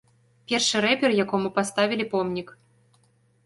Першы рэпер, якому паставілі помнік.